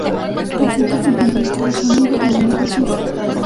La cinta se filmó en Estados Unidos, Reino Unido y Suiza.